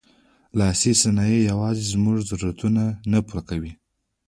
لاسي صنایع یوازې زموږ ضرورتونه نه پوره کوي.